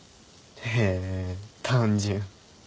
へえ単純。